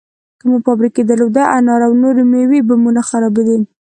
که مو فابریکې درلودی، انار او نورې مېوې به مو نه خرابېدې!